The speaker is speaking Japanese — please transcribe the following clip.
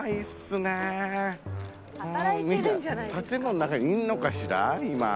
みんな建物の中にいるのかしら今。